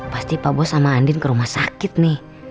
pasti pak bos sama andin ke rumah sakit nih